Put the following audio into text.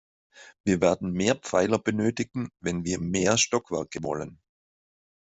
Wir werden mehr Pfeiler benötigen, wenn wir mehr Stockwerke wollen.